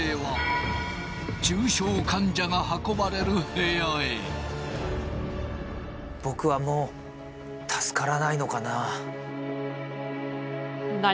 そして僕はもう助からないのかな。